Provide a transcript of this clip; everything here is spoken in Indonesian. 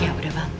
ya udah bang